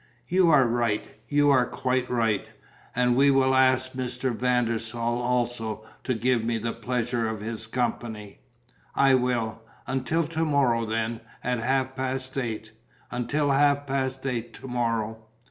"You are right. You are quite right. And will you ask Mr. van der Staal also to give me the pleasure of his company?" "I will." "Until to morrow then, at half past eight?" "Until half past eight to morrow."